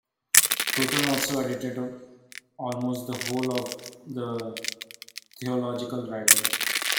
Churton also edited almost the whole of the theological writings.